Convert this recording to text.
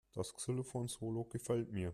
Das Xylophon-Solo gefällt mir.